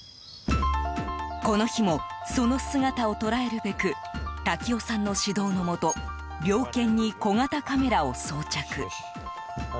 この日も、その姿を捉えるべく瀧尾さんの指導のもと猟犬に小型カメラを装着。